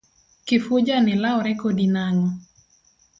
Kifuja ni lawre kodi nang'o?